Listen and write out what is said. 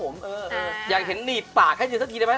มอยากเห็นหนีปากแค่ทีเนี่ยแม้